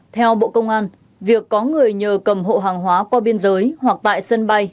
theo bộ công an việc có người nhờ cầm hộ hàng hóa qua biên giới hoặc tại sân bay